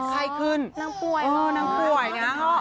นางป่วยนางป่วยนะครับ